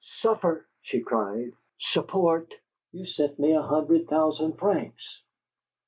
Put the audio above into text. "'Suffer'!" she cried. "'Support'! You sent me a hundred thousand francs!"